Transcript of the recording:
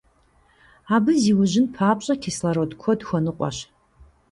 Абы зиужьын папщӀэ, кислород куэд хуэныкъуэщ.